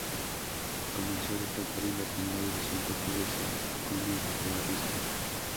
Comenzó a destacar en la primera división portuguesa con el Boavista.